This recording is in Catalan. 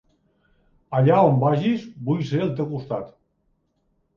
Allà on vagis, vull ser al teu costat.